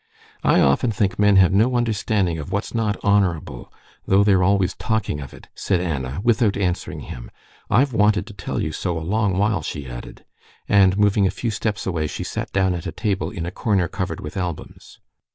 "I often think men have no understanding of what's not honorable though they're always talking of it," said Anna, without answering him. "I've wanted to tell you so a long while," she added, and moving a few steps away, she sat down at a table in a corner covered with albums.